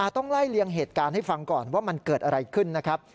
ต้องไล่เลียงเหตุการณ์ให้ฟังก่อนว่ามันเกิดอะไรขึ้นนะครับ